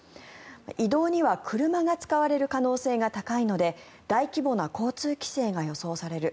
移動には車が使われる可能性が高いので大規模な交通規制が予想される。